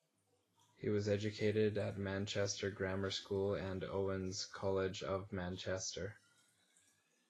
He was educated at Manchester Grammar School and Owens College of Manchester.